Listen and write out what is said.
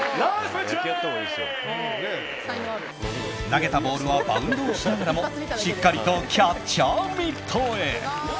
投げたボールはバウンドをしながらもしっかりとキャッチャーミットへ。